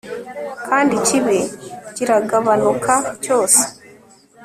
Kandi ikibi kiragabanuka cyose